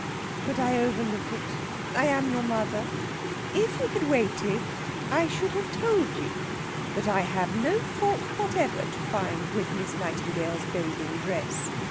But I overlook it. I am your mother. If you had waited, I should have told you that I have no fault whatever to find with Miss Nightingale's bathing dress.